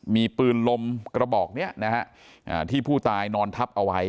มีปืนลมกระบอกนี้นะฮะที่ผู้ตายนอนทับเอาไว้